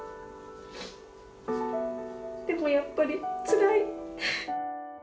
でもやっぱりつらい。